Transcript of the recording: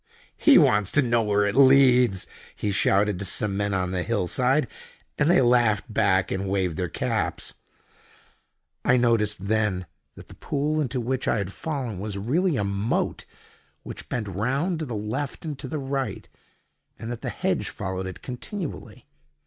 "He wants to know where it leads!" he shouted to some men on the hill side, and they laughed back, and waved their caps. I noticed then that the pool into which I had fallen was really a moat which bent round to the left and to the right, and that the hedge followed it continually.